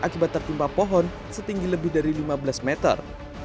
akibat tertimpa pohon setinggi lebih dari lima belas meter